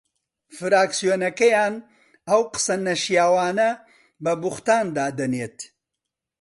فراکسیۆنەکەیان ئەو قسە نەشیاوانە بە بوختان دادەنێت